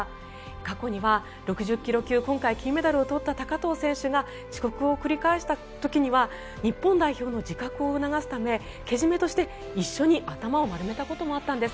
過去には６０ｋｇ級今回金メダルを取った高藤選手が遅刻を繰り返した時には日本代表の自覚を促すためけじめとして一緒に頭を丸めたこともあったんです。